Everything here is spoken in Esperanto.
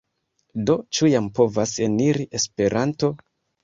Do, ĉu jam povas eniri Esperanto?